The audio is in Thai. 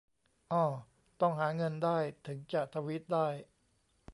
อ้อ ต้องหาเงินได้ถึงจะทวีตได้